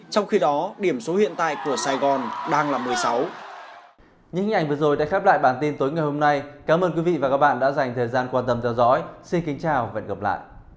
trong khi đó điểm số hiện tại của sài gòn đang là một mươi sáu